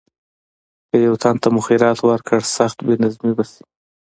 که یو تن ته مو خیرات ورکړ سخت بې نظمي به شي.